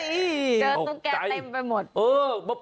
เจอตุ๊กแกเต็มไปหมด